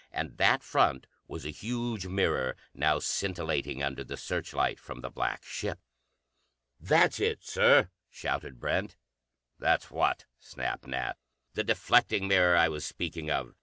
And that front was a huge mirror, now scintillating under the searchlight from the black ship. "That's it, Sir!" shouted Brent. "That's what?" snapped Nat. "The deflecting mirror I was speaking of.